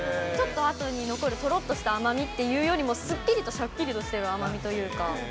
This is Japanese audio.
ちょっとあとに残る、とろっとした甘みっていうよりも、すっきりとしゃっきりとしてる甘みというか。